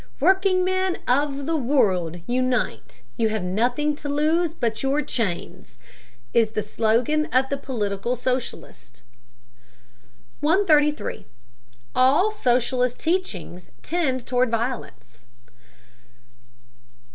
"Workingmen of the world, unite, you have nothing to lose but your chains," is the slogan of the political socialist. 133. ALL SOCIALIST TEACHINGS TEND TOWARD VIOLENCE.